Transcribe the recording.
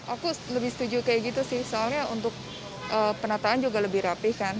aku lebih setuju kayak gitu sih soalnya untuk penataan juga lebih rapih kan